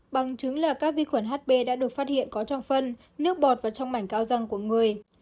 bằng chứng là các vi khuẩn hb đã được phát hiện có trong phân nước bọt và trong mảnh cao răng của người